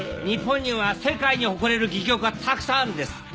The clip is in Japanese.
日本には世界に誇れる戯曲がたくさんあるんです。